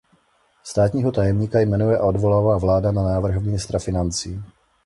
Státního tajemníka jmenuje a odvolává vláda na návrh ministra financí.